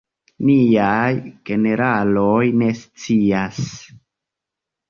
Niaj generaloj ne scias!